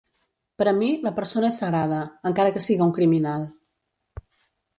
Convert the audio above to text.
Per a mi la persona és sagrada, encara que siga un criminal.